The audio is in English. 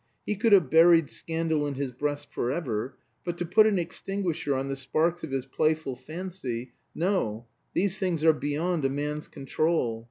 He could have buried scandal in his breast forever, but to put an extinguisher on the sparks of his playful fancy no, these things are beyond a man's control.